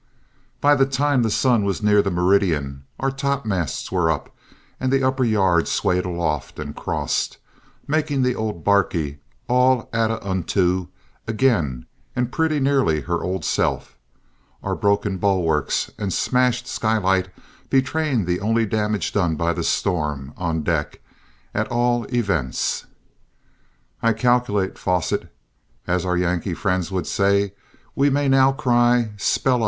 By the time the sun was near the meridian our top masts were up and the upper yards swayed aloft and crossed, making the old barquey all ataunto again and pretty nearly her old self, our broken bulwarks and smashed skylight betraying the only damage done by the storm, on deck, at all events. "I `calculate,' Fosset, as our Yankee friends would say, we may now cry spell O!"